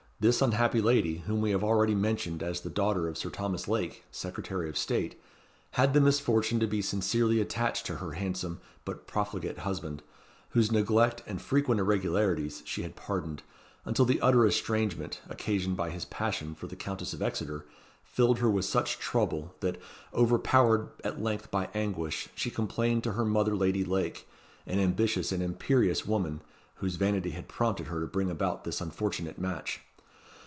This unhappy lady, whom we have already mentioned as the daughter of Sir Thomas Lake, Secretary of State, had the misfortune to be sincerely attached to her handsome but profligate husband, whose neglect and frequent irregularities she had pardoned, until the utter estrangement, occasioned by his passion for the Countess of Exeter, filled her with such trouble, that, overpowered at length by anguish, she complained to her mother Lady Lake, an ambitious and imperious woman, whose vanity had prompted her to bring about this unfortunate match.